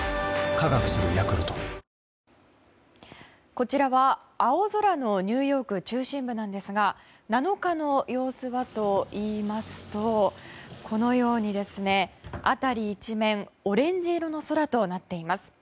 こちらは青空のニューヨーク中心部なんですが７日の様子はといいますとこのように辺り一面オレンジ色の空となっています。